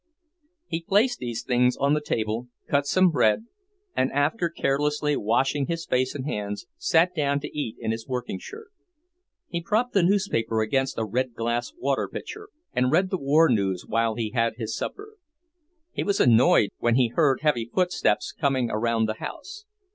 He placed these things on the table, cut some bread, and after carelessly washing his face and hands, sat down to eat in his working shirt. He propped the newspaper against a red glass water pitcher and read the war news while he had his supper. He was annoyed when he heard heavy footsteps coming around the house.